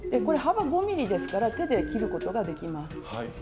これ幅５ｍｍですから手で切ることができます。